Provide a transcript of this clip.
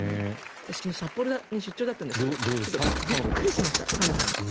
私昨日札幌に取材だったんですがびっくりしました、寒さで。